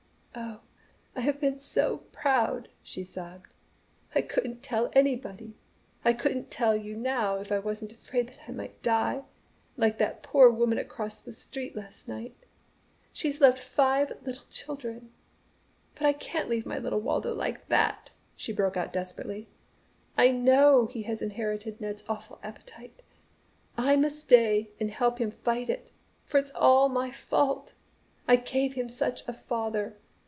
"Oh, I have been so proud!" she sobbed. "I couldn't tell anybody. I couldn't tell you now if I wasn't afraid that I might die, like that poor woman across the street last night. She's left five little children. But I can't leave my little Wardo like that!" she broke out desperately. "I know he has inherited Ned's awful appetite. I must stay and help him fight it, for it's all my fault. I gave him such a father.